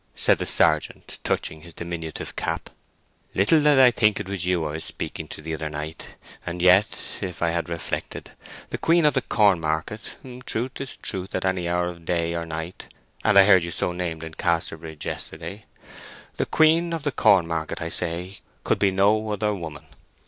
said the sergeant, touching his diminutive cap. "Little did I think it was you I was speaking to the other night. And yet, if I had reflected, the 'Queen of the Corn market' (truth is truth at any hour of the day or night, and I heard you so named in Casterbridge yesterday), the 'Queen of the Corn market.' I say, could be no other woman.